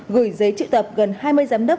gửi giấy triệu tập gần hai mươi giám đốc